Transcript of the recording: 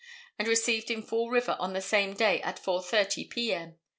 and received in Fall River on the same day at 4:30 p. m.